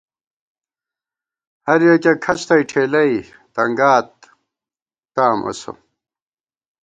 پُر بِکہ کھڅ تَئ ٹھېلَئ تنگات تام اسہ